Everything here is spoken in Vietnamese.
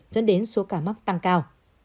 dẫn đến số ca mắc tăng cao